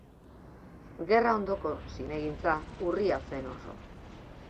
Gerra-ondoko zinegintza urria zen oso.